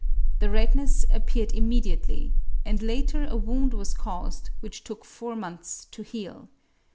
The redness appeared immediately, and later a wound was caused which took four months to heal.